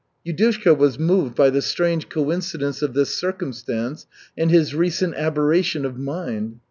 Yudushka was moved by the strange coincidence of this circumstance and his recent aberration of mind.